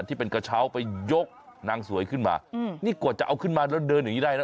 ที่เป็นกระเช้าไปยกนางสวยขึ้นมานี่กว่าจะเอาขึ้นมาแล้วเดินอย่างนี้ได้นะ